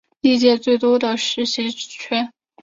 历届最多的实习职缺